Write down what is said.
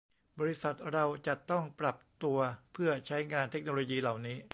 บริษัทเราจะต้องปรับตัวเพื่อใช้งานเทคโนโลยีเหล่านี้